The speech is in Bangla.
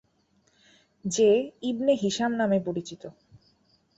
যে ইবনে হিশাম নামে পরিচিত।